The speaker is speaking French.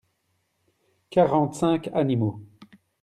quarante cinq animaux.